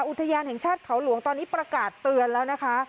อุทยานแห่งชาติเขาหลวงตอนนี้ประกาศเตือนแล้วนะคะ